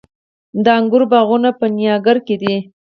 د انګورو باغونه په نیاګرا کې دي.